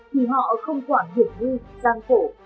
thì họ không quản hiểm như gian khổ